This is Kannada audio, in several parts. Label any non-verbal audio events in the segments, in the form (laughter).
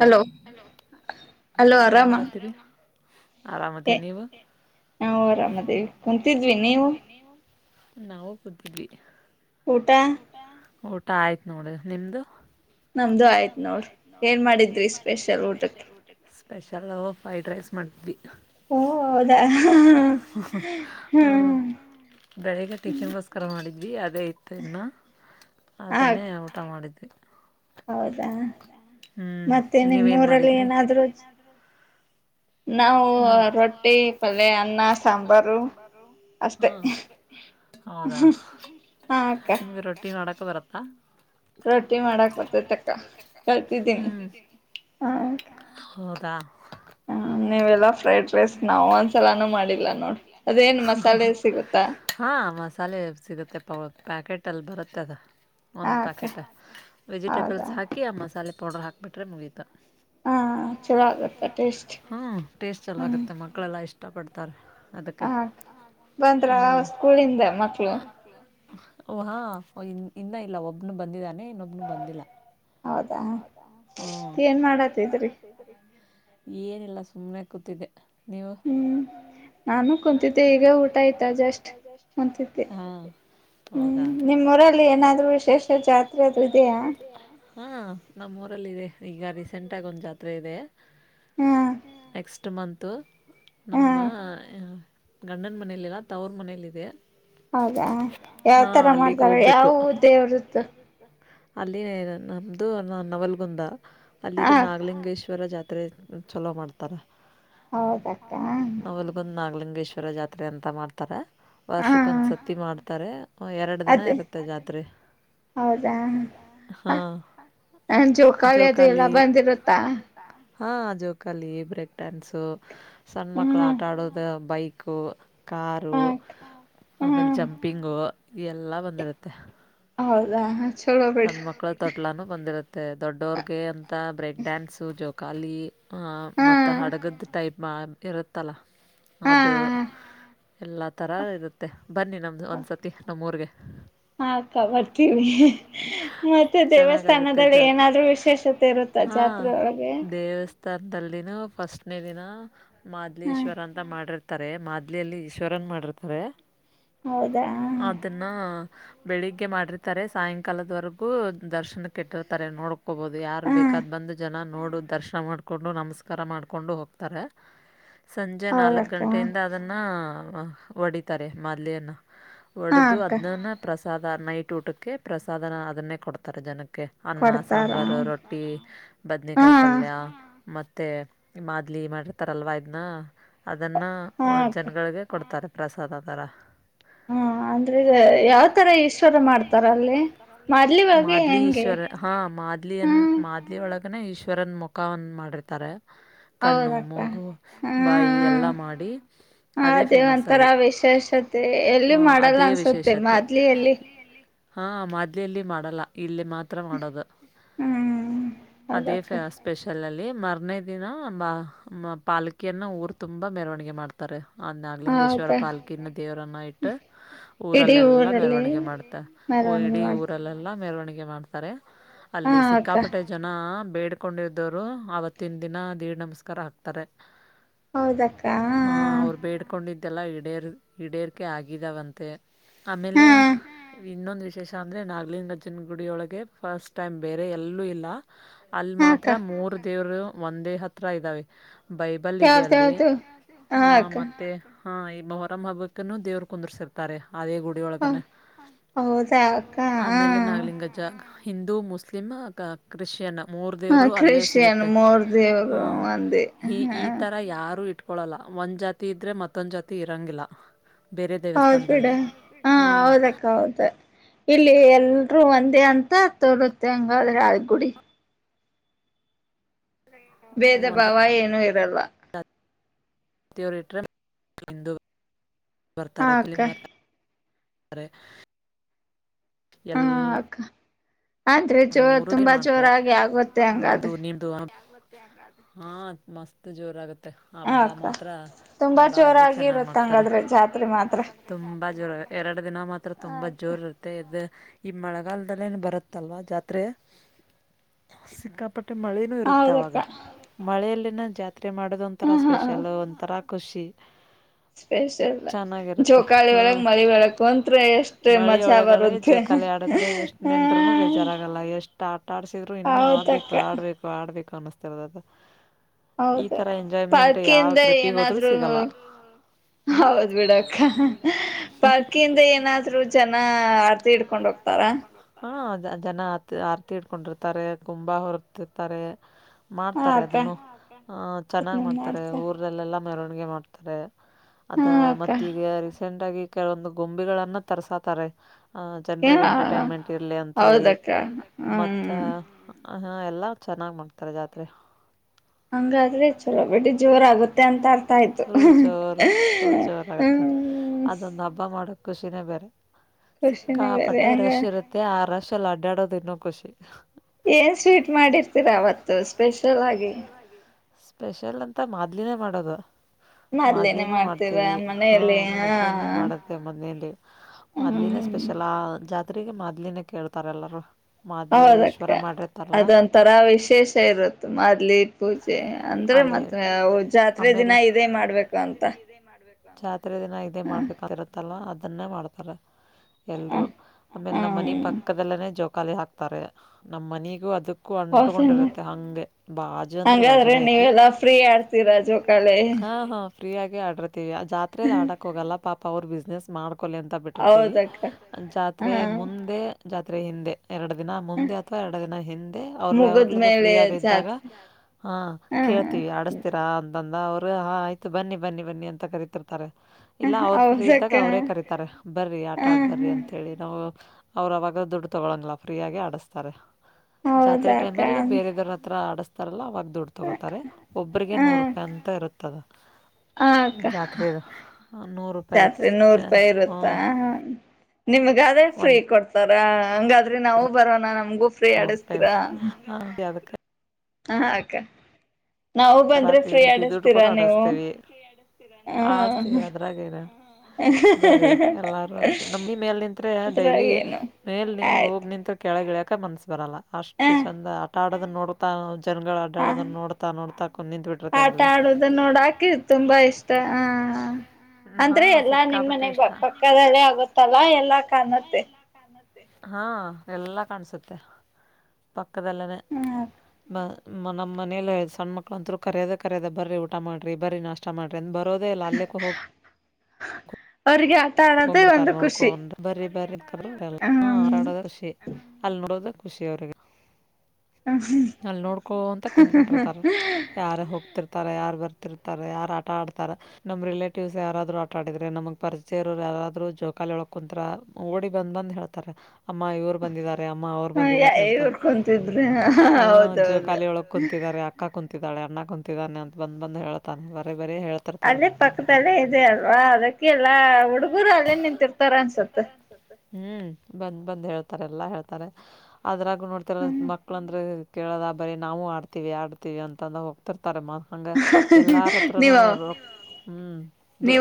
ಹಲೋ ಹಲೋ ಆರಾಮಾ ಏ ನಾವು ಅರಾಮದೇವಿ ಕುಂತಿದ್ವಿ ನೀವು ನಾವವು ಕೂತಿದ್ವಿ (inaudible) ಆಯ್ತ್ು ನೋಡಿ ನಿಮ್ದು ನಮ್ದು ಆಯ್ತ್ ನೋಡ ಏನ್ ಏನ್ ಮಾಡಿದ್ವಿ ಸ್ಪೆಷಲ್ ಊಟಕ್ಕೆ ಸ್ಪೆಷಲ ಫ್ರೈಡ್ ರೈಸ್ ಮಾಡ್ತಿದ್ವಿ ಬೆಳಿಗ್ಗೆ ಟಿಷನ್ಗೋಸ್ಕರ ಮಾಡಿದ್ವಿ ಅದೇ ಇತ್ತು ಇನ್ನ ಅದನ್ನೇ ಊಟ ಮಾಡಿದ್ವಿ ಹ ಹೌದಾ ಮತ್ತೆ ನಿಮ್ಮೂಊರಲ್ಲಿ ಏನಾದ್ರು ಅ ಹ ಹೌದಾ ನಿಮಗೆ ರೊಟ್ಟಿ ನೋಡ ರತ್ತ ಹ್ಮ್ ಹೌದಾ ಹಾ ಮಸಾಲೆ ಸಿಗುತ್ತೆಪ್ಪ ಪ್ಯಾಕೆಟ್ ಹಟ್ಟಲ್ಲಿ ಬರುತ್ತದ ಒಂದ್ ಪ್ಯಾಕೆಟ್ ವೆಜಿಟೇಬಲ್ಸ್ ಹಾಕಿ ಆ ಮಸಾಲೆ ಪೌಡ್ರ ಹಾಕ್ಬಿಟ್ಟೆ ಮುಗೀತು ಹಾ ಚಲ ಆಗತ್ತ ಟೇಸ್ಟ್ ಟೇಸ್ಟ್ ಎಲ್ಲ ಆಗುತ್ತೆ ಮಕ್ಕಳೆಲ್ಲ ಇಷ್ಟು ಇಷ್ಟಪಡ್ತಾರೆ ಹ ಬಂತರ ಸ್ಕೂಲ್ಿಂದ ಮಕ್ಳು ಓ ಹಾ ಇ ಇನ್ನ ಇಲ್ಲ ಒಬ್ನು ಬಂದಿದ್ದಾನೆ ಇನ್ನೊಬ್ನು ಬಂದಿಲ್ಲ ಹ ಏನಿಲ್ಲ ಸುಮ್ಮ್ನೆ ಕೂತಿದೆ ನೀ ಹ ಹೌದಾ ಹ ನಮ್ಮೂಊರಲ್ಲಿದೆ ಈಗ ರೀಸೆಂಟ್ ಆಗ ಒಂದು ಜಾತ್ರೆ ಇದೆ ನೆಕ್ಸ್ಟ್ ಇಷ್ಟಮಂತ ನಂಬ ಗಂಡನ್ ಮನೆಯಲ್ಲಿಲ್ಲ ತವರ್ ಮನೆಯಲ್ಲಿ ಇಿದೆದೆ ಹೌದಾ ಯಾವ್ತರ ಮಾಡ್ತಾರ ಯಾವ ದೇವ್ರದ್ದು ಅಲ್ಲಿ ನಮ್ಮದು ನ ನವಲ್ಗುಂದ ಅಲ್ಲಿದು ನಾಗಲಿಂಗೇಶ್ವರ ಜಾತ್ ಹರೆ ಚಛಲೋ ಮಾಡ್ತಾರೆ ಹೌದಕ್ಕ ಯೋಗೇಶ್ವರ ಜಾತ್ರೆ ಅಂತ ಮಾಡ್ತಾರೆ ವಾರ್ಷಕ್ಕ ಒಂದ್ಸರ್ತಿ ಮಾಡ್ತಾರೆ ಅದೇ ಹೌದಾ ನಜು ಕಳ ಅದು ಎಲ್ಲ ಬಂದಿರುತ್ತಾ ಹಾ ಅ ಜೋ ಕಾಲ ಈ ಬ್ರೆಕ್ ಡ್ಯಾನ್ಸು ಸಣ್ಣ ಮಕ್ಕಳ ಆಟಾಡೋುದು ಬೈಕ್ ಕ ಕಾರು ಆಮೇಲೆ ಜಂಪಿಂಗು ಎಲ್ಲಾ ಬಂದಿರುತ್ತೆ ಹೌದಾ ಸಣ್ಣ ಮಕ್ಳ ತೊಟ್ಲಾನು ಬಂದಿರತ್ತೆ ದೊಡ್ಡರುಗೆ ಬ್ರೇಕ್ ಡ್ಯಾನ್ಸ್ು ಜೋ ಕಾಲಿ ಹ ಮತ್ತೆ ಹಡಗದ್ದ ಟೈಪ್ ಮಾ ಇರುತ್ತಲ್ಲ ಅದು ಎಲ್ಲಾ ತರ ಇರುತ್ತೆ ಬನ್ನಿ ನಮ್ದು ಒಂದ್ಸತಿ ನಮ್ಮೂರ್ಗೆ ಹಾಕ್ಕ ಬರ್ತೀವಿ ಮತ್ತೆ ದೇವಸ್ಥಾನದಲ್ಲಿ ಏನಾದ್ರರು ವಿಶೇಷತೆ ಇರುತ್ತ ಜಾತ್ರೆೆಯ ಒಳಗೆ ತನ್ನ ತಲ್ಿನ ಫಸ್ಟ್ನ ದಿನ ಮಾದ್ಲೀಶ್ವರ ಅಂತ ಮಾಡಿರ್ತ್ತೆ ರ್ತಾರೆ ಮಾದ್ಲಿಯಲ್ಲಿ ಈಶ್ವರನ್ ಮಾಡಿರ್ತಾರೆ ಹೌದಾ ಬೆಳಿಗ್ಗೆ ಮಾಡಿರ್ತಾರೆ ಸಾ ಕಾಲದವರೆಗೂ ದರ್ಶನಕ್ಕೆ ಇಟ್ಟಿರ್ತಾರೆ ನೋಡ್ಕೊಬೋದು ಯಾರು ಬೇಕಾದ ಬಂದು ಜನ ನೋಡು ದರ್ಶನ ಮಾಡಿಕೊಂಡು ನಮಸ್ಕಾರ ಮಾಡಿಕೊಂಡು ಹೋಗ್ತಾರೆ ಸಂಜೆ ನಾಲ್ಕು ಗಂಟೆಯಿಂದ ಅದನ್ನ ಹ ಹೊಡಿತಾರೆ ಮಾಲ್ೆಯನ್ನ ಒಡದು ಅಜ್ಞಾನ ಪ್ರಸ ನೈಟ್ ಉಟಕ್ಕೆ ಪ್ರಸಾದನ ಅದನ್ನೇ ಕೊಡ್ತಾರೆ ಜನಕ್ಕೆ ಕೆ ಅನ್ನ ಸಾಂಬಾರು ರೊಟ್ಟಿ ಬದನೇಕಾಯಿ ಪಲ್ಯ ಮತ್ತೆ ಮಾದ್ಲಿ ಮಾಡಿರ್ತಾರಲ್ವ ಇದ್ನ್ನ ಅದನ್ನು ಜನಗಳಿಗೆ ಕೊಡ್ತಾರೆ ಪ್ರಸಾದಕರ ಹಾ ಅಂದ್ರೆ ಯಾವ ತರ ಈಶ್ವರ ಮಾಡ್ತಾರ (unintelligible) ಮಾದ್ಲಿ ಈಶ್ವರ ಹಾ ಮಾದ್ಲಿಯನ್ ಮಾದ್ಲಿ ಒಳಗ ಈಶ್ವರನ್ ಮುಖನ್ ಮಾಡಿರ್ತಾರೆ ಕಣ್ಣು ಮೂಗು ಬಾಯಿ ಎಲ್ಲ ಮಾಡಿ ಅದೇ ಫೇಮಸ್ ಅಲ್ಲಿ ಹ ಅದೇ ವಿಶೇಷತೆ (unintelligible) ಹಾ ಮಾದ್ಲಲ್ಲಿ ಮಾಡಲ್ಲ ಇಲ್ಲ ಮಾತ್ರ ಮಾಡೋದು ಅದೇ ಸ್ಪೆಷಲ್ ಅಲ್ಲಿ ಮರನೇ ದಿನ ಪಾಲಕಿಯನ್ನ ಊರು ತುಂಬಾ ಮೆರವಣಿಗೆ ಮಾಡ್ತಾರೆ. ಆ್ ನಾಗಲಿಂಗೇಶ್ವರ ಪಾಲಲ್ಕಿನ ದೇವರನ್ನ ಇಟ್ಟ ಊರಲ್ಲೆಲ್ಲಾ ಮೆರವಣಿಗೆ ಮಾಡ್ತ. ಓ ಇಡೀ ಊರಲ್ಲೆಲ್ಲ. ಮೆರವಣಿಗೆ ಮಾಡ್ತಾರೆ. ಅಲ್ಲಿ ಸಿಕ್ಕಾಪಟ್ಟೆ ಜನ. ಬೇಡ್ಕೊಂಡ್ದೋವರು ಆವತ್ತಿನ ದಿನ ದೀರ್ ನಮಸ್ಕಾರ ಹಾಕ್ತಾರೆ. ಹೌದಕ್ಕ ಇಲ್ಲ ಈಡೇರ್ ಈಡೇರಿಕೆ ಆಗಿದಾವಂತೆ ಆಮೇಲೆ ಇನ್ನೊಂದು ವಿಷ ವಿಶೇಷ ಅಂದ್ರೆ ನಾಗಲಿಂಗ ಗಜ್ಜನ್ ಗುಡಿಯಳಗೆ ಫಸ್ಟ್ ಟೈಮ್ ಬೇರೆ ಎಲ್ಲೂ ಇಲ್ಲ ಅಲ್ಲಿ ಮಾತ್ರ ಮೂರು ದೇವ್ರು ಒಂದೇ ಹತ್ರ ಇದ್ದಾವೆ ಬೈಬಲ್ ಇದೆ ಅಲ್ಲಿ ಹ ಮತ್ತೆ ಹಾ ಈ ಮೊಹರಂ ಹಬ್ಬಕ್ಕನ್ನು ದೇವ್ರು ಕುಂದರ್ಸಿರ್ತಾರೆ ಆದೇ ಕುಡಿ ವಳಕನ್ನು ಆಮೇಲೆ ನಾಗಲಿಂಗ್ಜ ಹಿಂದೂ ಮುಸ್ಲಿಮ ಕ ಕ್ರಿಶಚಿಯನ್ ಮೂರ್ ದೇವರು ಅಲ್ಲೇ ಸಿಗುತ್ತೆ ಹ್ಮ ಈ ಈ ತರ ಯಾರು ಇ ಕೊೊಳ್ಳಲ್ಲ ಒಂದು ಜಾತಿ ಇದ್ರೆ ಮತ್ತೊಂದು ಜಾತಿ ಇರೋಂಗಿಲ್ಲ ಹೌದ್ ಬಿಡ ಹಾ ಹೌದಕ್ಕ ಹೌದ ಇಲ್ಲಿ ಎಲ್ರುೂ ಒಂದೇ ಅಂತ ತೋರುತ್ತೆ ಹಂಗಾದ್ರೆ ಆ ಗುಡಿ ಭೇದ ಭಾವ ಏನುೂ ಇರಲ್ಲ ವರಿ ಟ ಹಿಂದು ಬರ್ತಾರೆೇ ಕಲಿಮ ಬರ್ತ ಸ ಎಲ್ಲ ಅಂದ್ರೆ ಜೋರ್ ತುಂಬಾ ಜೋರಾಗಿ ಆಗುತ್ತೆ ಹಂಗಾದ್ರೆ ಹಾ ಮಸ್ತ್ ಜೋರ ಆಗುತ್ತೆ ಹಬ್ಬ ಮಾತ್ರ ಭಾರಿ ಚೆನ್ನಾಗ್ ಮಾಡ್ತಾರೆ ತುಂಬಾ ಜೋರ ಎರಡು ದಿನ ಮಾತ್ರ ತುಂಬಾ ಜೋರ್ ಇರುತ್ತೆ ಇದ ಈ ಮಳೆಗಾಲದದಲ್ಲಿ ಏನ್ ಬರುತ್ತಲ್ವಾ ಜಾತ್ರೆ ಸಿಕ್ಕಪ್ ಪಟ್ಟೆ ಮಳನೂ ಇರುತ್ತೆ ಅವಾಗ ಮಳೆಯಲ್ಲಿ ನ ಜ ಪತ್ರೆ ಮಾಡೋದು ಒಂಥರ ಸ್ಪೆಷಲ್ ಒಂಥರ ಕೃಷಿ ಸ್ಪೆಷಲ್ ಚೋಕಾಳಿ ಬೆಳಗ್ ಮಳ ಬೆಳಕ್ ಅಂತ್ರ ಎಷ್ಟೇ ಮಜಾ ಬರುತ್ತೆ ಜರಾಗಲ್ಲ ಎಷ್ಟು ಆಟ ಆಡ್ಸಿದ್ರು ಇನ್ನುೂ ಆಡ್ಬೇಕು ಆಡ್ಬೇಕು ಆಡ್ಬೇಕು ಕಾಣ್ತರದ ಹೌದು ಪಾರ್ಕಿಂದ ಏನಾದ್ರು ಹೌದ್ ಬಿಡಕ್ಕ ಪಾರ್ಕಿಂದ ಏನಾದ್ರು ಜನ ತಿ ಕಕೊಂಡ್ ಹೋಗ್ತಾರಾ ಜನ ಆರತಿ ಇಟ್ಕೊಂಡಿರ್ತಾರೆ ಕುಂಬ ಹೊರತಿರ್ತಾರೆ ಮಾಡ್ತಾರೆ ಅದನ್ನು ಚೆನ್ನಾಗಿ್ ಮಾಡ್ತಾರೆ ಊರದಲ್ಲೆಲ್ಲಾ ಮೆರವಣಿಗೆ ಮಾಡ್ತಾರೆ ಅದ ಮತ್ತ ಈಗ ೆಂಟ್ ಆಗಿ ಕೆಲವೊಂದು ಗೊಂಬಿಗಳಗಳನ್ನು ತರ್ಸತಾರೆ ಜನರಿಗೆ ಎಂಟರ್ಟೈನ್ಮೆಂಟ್ ಇರಲಿ ಅಂಂತೇಳಿ ಮತ್ತು ಹ ಹಾ ಎಲ್ಲಾ ಚೆನ್ನಾಗ್ ಮಾಡ್ತಾರೆ ಜಾತ್ರೆ ುಲ್ ಜೋರ್ ಫುಲ್ ಜೋರ್ ಆಗುತ್ತೆ ಅದೊಂದು ಹಬ್ಬ ಮಾಡಕ್ ಖುಷಿನ ಬೇರೆ ಖುಷ ಕಾಪಟ್ಟೆ ರಶ್ ಇರುತ್ತೆ ಆ ಪರಶ್ಯಲ್ಲ ಅಡ್ಡಾಡೋದು ಇನ್ನ ಖಷಿ ಏನ್ ಸ್ವೀಟ್ ಮಾಡಿರ್ತೀರಾ ಅವವತ್ತು ಸ್ಪೆಷಲ್ ಆಗಿ ಸ್ಪೆಷಲ್ ಅಂತ ಮಾದ್ಲಿನೇ ಮಾಡೋದು ಮೊದ್ಲನೂ ಮಾಡ್ತೇವಿ ಹಾ ಮೊದ್ಲನೂ ಮಾಡತ್ತೇ ಮದನೇಲಿ ಮೊದ್ಲಿನ ಸ್ಪೆಷಲ ಆ ಜಾತಿ ಅ್ರಿಗೆ ಮೊದಲಿನೇ ಕೇಳ್ತಾರೆ ಎಲ್ಲರೂ ಹೌದಕ್ಕ ಅದೊಂಂತರ ವಿಷಯ ವಿಶೇಷ ಇರುತ್ತೆ ಮ. ಅಲ್ಲಿ ಪೂಜೆ ಅಂದ್ರೆ ಮತ್ ಜಾತ್ರೆ ದಿನ ಇದೇ ಮಾಡ್ಬೇಕು ಅಂತ. ಚ. ಹತ್ತ ದಿನ ಇದೇ ಮಾಡ್ಬೇಕತ್ತಲ್ಲ. ಅದನ್ನೇ ಮಾಡ್ತಾರೆ. ಎಲ್ರು ಆಮೇಲೆ ನಮ್ಮ್ ಮನ ಪಕ್ಕದಲ್ಲನೇ ಜಕ್. ಕಲೆ ಹಾಕ್ತಾರೆ ನಮ್ಮ್ ಮನಿಗೂ ಅದ ೂ ಅಂಟುಕೊಂಡಿರತ್ತೆ ಹಗೆ ಬಾಜ ಹಂಗಾದ್ರೆ ನೀವೆಲ್ಲಾ ಫ್ರೀ ಆಡ್ತೀರ ಜೋ ಕಳೆ ಫ್ರೀಯಾಗಿ ಆಡ್ರ ಜಾತ್ರರೆೆಯಲ್ಲಿಲಿ ಆಡಕ್ ಹೋಗಲ್ಲ ಪಾ ಅವ್ರ ಬಿಸ್ನೆಸ್ ಮಾಡ್ ಕೊಲೆ ಅಂತ ಬಿಟ್ಟಿರ್ತೀವಿ ಜಾತ್ರೆ ಮುಂದೆ ಜಾತ್ರರೆೆಯಿಂದೆ ಎರಡು ದಿನ ಮುಂದೆ ಅಥವಾ ಎರಡು ದಿನ ಹಿಂದೆ ಅವ್ರು ಯಾವಾಗ್ಲೂ ಫ್ರೀ ಆಗಿದ್ದಾಗ ಹಾ ಕೇಳ್ತೀವಿ ಆಡಸ್ತೀರಾ ಅಂತ ಂದ ಅವ್ರು ಹಾ ಆಯ್ತು ಬನ್ನಿ ಬನ್ನಿ ಬನ್ನಿ ಅಂತ ಕರಿತಿರ್ತಾರೆ ಇಲ್ಲ ಅವ್ರ ಫ್ರೀ ಇದ್ದಾಗ ಅವ್ರೇ ಕರೀತಾರೆ ಬರ್ರಿ ಆಟ ಆಡ್ ಬರ್ರಿ ಅಂತೇಳಿ ನಾವು ಅವ್ರ ಅವವಾಗ ದುಡ್ಡು ತಗೊಳಂಗಲ್ಲ ಫ್ರೀಯಗಿ ಆಡಿಸಸ್ತಾರೆ ಜಾತ್ರೆ ಟೈಮ್ ಅಲ್ಲಿ ಬೇರೆದವ್ರ ಹತ್ರ ಆಡಸ್ತಾರೆ ತರಲ್ಲ ದುಡ್ಡು ತಗೋತಾರೆ ಒಬ್ರಿಗೆ ನೂರು ರೂಪಾಯಿ ಅಂತ ಇರುತ್ತದ ಹಕ್ಕ ಜಾತ್ರಿ ನೂರು ರೂಪಾಯಿ ಇರುತ್ತಾ ನಿಮ್ಗ ಅದೇ ಫ್ರೀ ಕೊಡ್ತಾರ ಹಂಗಾದ್ರೆ ನಾವು ಬರೋಣ ನ ನೂರು ರೂಪಾಯಿ ಹ ಅ ಅದಕ್ಕೆ ಹಾ ಅಕ್ಕ ರಾ ಮತ್ತ ಇದದುಡ್ ಕೂಡ ಆಡಸ್ತೇವಿ ಆಡ್ಸ್ತೀವಿ ಅದ್ರಾಗೇನ ಬರರಿ ಎಲ್ಲಾರು ಆಡ್ಸ್ತವಿ ನಮಿ ಮೇಲ್ ನಿಂತತ್ ಡೈಲಿ ಮೇಲ್ ಹೋಗಿ ನಿತ್ ಕೆಳಗಿಳ ಕಕ್ಕ ಮನಸ್ ಬರಲ್ಲ ಅಷ್ಟು ಚಂದ ಅ ಕಾಡದ ನೋಡ್ತಾ ಜನ್ಗಳು ಅ ಆಡೋನ್ನ ನೋಡ್ತಾ ನೋಡ್ತಾ ಆಟ ಆಡುದ ನೋಡಾಕೆ ತುಂಬಾ ಇಷ್ಟ ಹ ಅಂದ್ರೆ ಎಲ್ಲಾ ನಿಮ್ಮನೆ ಪಕ್ಕದಲ್ಲೇ ಆಗತ್ತಲ್ಲ ಎಲ್ಲಾ ಕಾಣುತ್ತೆ ಹಾ ಎಲ್ಲಾ ಕಾಣಸುತ್ತೆ ಪಕ್ಕ ಕದಲ್ಲನೇ ಬ ಮನ ಮನೇಲಿ ಸಣ್ಣ್ಮ ಒಂತ್ರು ಕರ್ಯದ ಕರ್ಯದ ಬರರಿ ಊಟ ಮಾಡ್ರಿ ಬರರಿ ನಾಷ್ಟ ಮಾಡ್ರಿ ೆಂದ್ ಬರೋದೇ ಇಲ್ಲ ಅಲ್ಲಕ್ಕೂ ಹೋಗ ಹಕೊಂಡ್ಬಿಡ್ತಾರ ನೋಡ್ಕೊಂಡ ಬರ ಬಿ ಅ ನೋಡೋದ ಖುಷಿ ಅವ್ರರಿಗೆ ಅಲ್ಲಿ ನೋಡ್ಕೊ ಅಂತ ಕುತ್ ಬಿಿಟಿರ್ತಾರ ಯಾರ ಹೋಗ್ತಿರ್ತ ಯಾರಾರ್ ಬರ್ತಿರ್ತಾರೆ ಯಾರು ಆಟ ಆಡ್ತಾರ ನಮ್ರಿೇಟಿವ್ಸ್ ಯಾರಾದ್ರು ಆಟ ಆಡಿದ್ರೆ ನಮಗ್ ಪರಿಸಚ ಸೇರರು ಯಾರಾದ್ರು ಜೋಕಾಲಿ ಹೇಳ ಕುಂಂತರ ಓಡಿ ಬಂದ್ ಬಂದ್ ಹೇಳ್ತಾರೆ ಅಮ್ಮ ಇವರು ಬಂದಿದ್ದಾರೆ ಅಮ್ಮ ಅವ್ರು ಬಂದಿದ್ದಾರೆ ಅಂತ ಹ ಜೋಕಾಲಿ ಒಳಗ್ ಕುಂತಿದ್ದಾರೆ ಅಕ್ಕ ಕುಂತ ಾಳ ಅ್ಣ ಕುಂತಿದ್ದಾನೆ ಅಂತ ಬಂದ ಬಂದು ಹೇಳ್ತಾನ ಬರೀ ಅಲ್ಲಿೇ ಪಕ್ಕದಲ್ಲೇ ಇದೆ ಅಲ್ವಾ ಅದಕ್ಕೆಲ್ಲ ಹುಡುಗುರು ಅಲ್ಲೇ ನಿಂತರ್ತಾರ ಅನ್ಸತ್ ಎಲ್ಲಾ ಹೇಳ್ತಾರೆ ಅದ್ರಾಗ ನೋಡ್ತಾರಲ್ಲ ಮಕ್ಕಳ ಅಂದ್ರೆ ಕೇಳದ ಬರೀ ನಾವು ಆಡ್ತತಿವಿ ಆಡ್ತಿೀವಿ ಅಂತ ಹೋಗ್ತರ್ ಾರೆ ಹಂಗೆ ಎಲ್ಲಾರ ಹತ್ರ ಹ್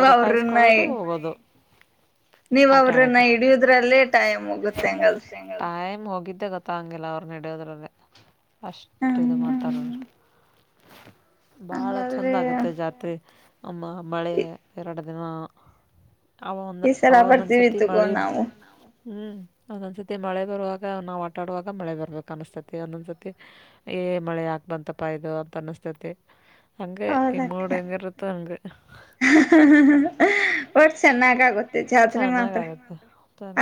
ರೊಕ್ಕಾಯಸ್ಕೊಳ್ಳೋದು ಹೋಗೋದು ನೀವ್ ಅವ್ರನ್ನ ಹಿಡಿಯುದ್ರಲ್ಲೇ ಟೈಮ್ ಹೋಗುತ್ತೆ ಹೆಂಗಲ್ರಿ ಹೋಗಿದ್ದೆ ಗತ್ತಾ ಹಂಗಗೆಿಲ್ಲ ಅವ್ರ ನಡೆಯೋದ್ರಲ್ಲೇ ಅಷ್ಟದು ಮಾತಾಡೋರಿ ಬಾಳ ಚಂದ ಆಗತ್ತೆ ಜಾತ್ರೆ ಅಮ್ಮ ಮಳೆ ಎರಡ ಅನ ಈ ಸಲ ಬರ್ತೀವಿ ತಗೋ ನಾವು ಹ್ಮ್ ಒಂದೊಂದ್ಸತಿ ಮಳೆ ಬರುವಾಗ ನಾವು ಆಟ ಆಡುವಾಗ ಮಳೆ ಬರ್ಬೇಕ ಅನಿಸಸ್ತತಿ ಒಂದೊಂದ್ಸತಿ ಏ ಮಳೆ ಯಾಕ್ ಬಂತಪ ಇದು ಅಂತ ಅನಸ್ತತಿ ಹೌದ ವರ್ಷ ಚೆನ್ನಾಗ ಆಗುತ್ತ ಜಾತ್ರೆ ಮಾತ್ರ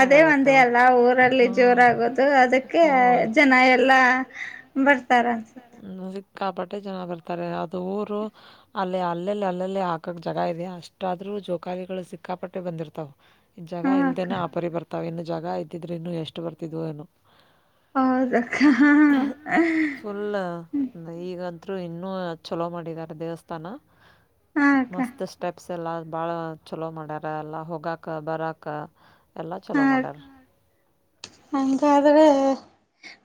ಅದೇ ಒಂದ ಎಲ್ಲಾ ಊರಲ್ಲಿ ಜೋರಾಗೋದು ಅದಕ್ಕೆ ಜನ ಎಲ್ಲಾ ಬರ್ತಾರ ಅನ್ಸುತ್ತೆ ಕಾಪಟ್ಟೆ ಜನ ಬರ್ತಾರೆ ಅದು ಊರು ಅಲ್ಲಿ ಅಲ್ಲಲ್ಲಿ ಅಲ್ಲಲ್ಲಿ ಹಾಕಕ್ ಜಾಗ ಇದೆ ಅಷ್ಟಾದ್ರೂ ಜೋಕಾಗಿಗಳು ಸಿಕ್ ಕಾಪಟ್ಟೆ ಬಂದಿರ್ತಾವ ಜಾಗ ಇಲ್ದೆೇನೆ ಆಪರಿ ಬರ್ತಾವ ಇ ಜಗ ಇದ್ದಿದ್ರ ಇನ್ನು ಎಷ್ಟು ಬರ್ತಿದ್ೋ ಏನು ಆೌ ಇನ್ನುೂ ಚಲೋ ಮಾಡಿದ್ದಾರೆ ದೇವಸ್ಥಾನ ಮಸ್ತ ಸ್ಟೆಪ್ಸ್ ಲ್ಲ ಬಾಳ ಚಲೋ ಮಾಡಾರೆ ಲಹೋಗ ಬಾರ ಎಲ್ಲ ಚಲೋ ಮಾಡೇಡಾರೆ ಹಂಗಾದ್ರೆ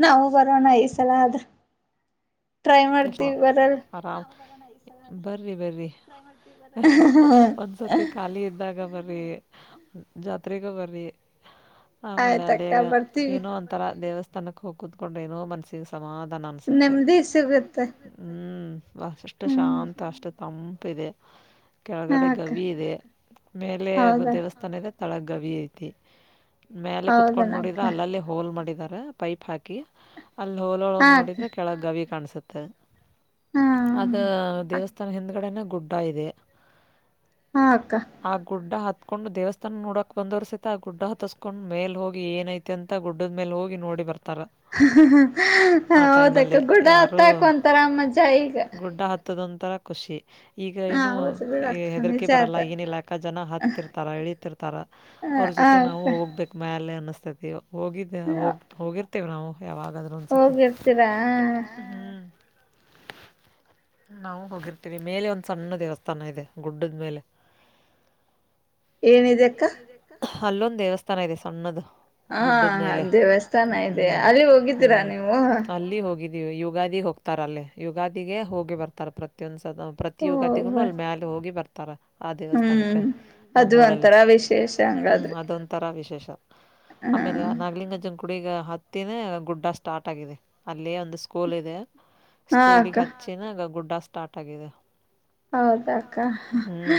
ನಾವು ಬರೋಣ ಐ ಸಲ ಆದ ್ರಾಯ ಮಾಡತಿ ಬರಲ್ ಬರ್ರಿ ಬರ್ರಿ ಒಂದ್ಸತಿ ಖಾಲಿ ಇದ್ದಾಗ ಮತ್ತ ಜಾತ್ರೆಗೆ ಬ್ರಿ ಆಮೇಲೆ ಅದೇ ಏನೋ ಒಂಂತರ ದೇವಸ್ಥ ತನಕ್ ಹೋಗ ಕೂತ್ಕೊಂಡು ಏನೋ ಮನಸಿಗೆ ಸಮಾಧಾನ ಅನ್ನಿಸುತ್ತೆ ಹ್ಮ್ ವ ಅಷ್ಟ ಶಾಂತ ಅಷ್ಟ ತಂಪ ಇದೆ ಕೆಳಗಡೆ ಗವಿ ಇದೆ ಮೇಲೆ ದೇವಸ್ಥಾನ ಇದೆ ತಥಳಗವಿತಿ ಮೇಲೆ ಕುತ್ಕೊಂಡು ನೋಡಿದ್ರ ಅಲ್ಲಲ್ಲಿ ಹೋಲ್ ಮಾಡಿದಿದ್ದಾರೆ. ಪೈಪ್ ಹಾಕಿ ಅಲ್ಲಿ ಹೋಲೊಳೋಗ ನೋಡಿದ್ರ ಕೆಳಗ್ ಗವಿ ಕಾಣಸುತ್ತೆ ಮತ್ತು ಅದ ದೇವಸ್ಥಾನ ಹಿಂದ್ಗಡೆನೆ ಗುಡ್ಡ ಇದೆ ಆ ಗುಡ್ಡ ಹತ್ತು ಕತ್ಕೊಂಡು ದೇವಸ್ಥಾನ ನೋಡಕಕ್ ಒಂದ್ರ್ ಸತ ಆ ಗುಡ್ ಹತ್ಸ್ಕೊಂಡ್ ಮೇಲ್ ಹೋಗಿ ಏನಐತೆ ಅ ಗುಡ್ದ ಮೇಲೆ ಹೋಗಿ ನೋಡಿ ಬರ್ತ ಹ ಹೌದಕ್ಕ ಗುಡ ಮತ್ತಾಕೊಂತಾರ ಅಜ್ಜಾ ಈಗ ತ್ತದೊಂರ ಖುಷಿ ಈಗ ಏನು ಹೆದರಿಕೆ ಬರಲ್ಲ ಏನ್ ಇಲಾಖ ಜನ ಹತ್ತಿರ್ತಾರ ಇಳಿತಿರ್ತಾರ ಅವ್ರ ಜೊತೆ ನಾವು ಹೋಗ್ಬೇಕಕ್ ಮ್ಯಾಲ ಅನ್ನಸ್ತ ತದೇ ಹೋಗಿದ್ದ ಹೋಗ ಹೋಗಿ ಬರಒ ಯಾವಾಗಾದ್ರೂ ಒನ್ಸತಿ ಹ್ಮ್ ನಾವು ಹೋಗಿರ್ತೀವಿ ಮೇಲೆ ಒಂದ್ ಸಣ್ಣ ದೇವಸ್ಥಾನ ಇದೆ ಗುಡ್ಡದ ಮೇಲೆ ಏನಿದೆ ಅಕ್ಕ ಅಲ್ಲೊಂದ್ ದೇವಸ್ಥಾನ ಇದೆ ಸಣ್ಣದದು ಹಾ ದೇವಸ್ಥಾನ ಇದೆ ಅಲ್ಲಿ ಹೋಗಿದ್ದೀರಾ ನೀವು ಯುಗಾದಿ ಹೋಗ್ತಾರ ಅಲ್ಲೇ ಯುಗಾದಿಗೆ ಹೋಗಿ ಬರ್ತಾರ ಪ್ರತಿಯೊಂದ್ ಪ್ರತಿ ಯುಗಾದಿಗುನು ಅಲ್ಲಿ ಮ್ಯಾಲೆ ಹೋಗಿ ಬರ್ತ ತರ ಆ ದೇವಸ್ಥಾನಕ್ಕೆ ನಮ್ಮೂರಲ್ಲಿ ಹ್ಮ್ ಅದೊಂತರ ವಿಶೇಷ ಆಮೇಲೆ ನಾಗಲಿಂಗಜನ್ಕ ಕುುಡಗ ಹತ್ತಿನ ಗುಡ್ಡ ಸ್ಟಾರ್ಟ್ ಆಗಿದೆ ಅಲ್ಲೇ ಒಂದು ಕೋಲ ಇದೆ ಸ್ಕೂಲ್ ಈ ಹರ್ಚೆ ನ ಗುಡ್ಡಾ ಸ್ಟಾರ್ಟ್ ಆಗಿದೆ ಹೌದಾಕ್ಕ ಹ್ಮ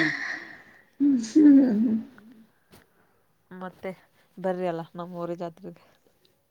ಮತ್ತೆ ಬರಿ ಅಲ್ಲ ನಮ್ಮ ಊರಿ ಜಾತ್ರೆಗೆ